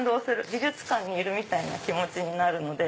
美術館にいるみたいな気持ちになるので。